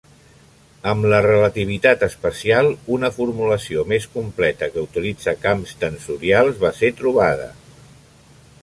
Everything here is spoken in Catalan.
Amb la relativitat especial, una formulació més completa que utilitza camps tensorials va ser trobada.